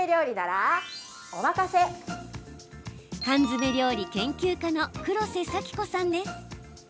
缶詰料理研究家の黒瀬佐紀子さんです。